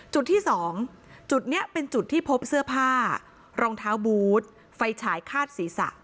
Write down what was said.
จุดที่๒จุดนี้เป็นจุดที่พบเสื้อผ้ารองเท้าบูธไฟฉายคาดศีรษะ